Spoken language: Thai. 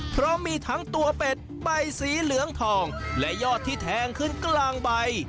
เพราะมีทั้งตัวเป็ดใบสีเหลืองทองและยอดที่แทงขึ้นกลางใบ